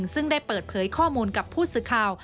ซึ่งได้เปิดเผยข้อมูลกับผู้สื่อข่าว